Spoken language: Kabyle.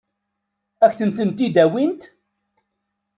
Ad kent-ten-id-awint?